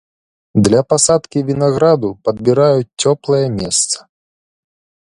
Для пасадкі вінаграду падбіраюць цёплае месца.